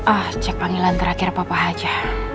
ah cek panggilan terakhir papa aja